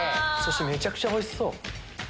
めちゃくちゃおいしそう！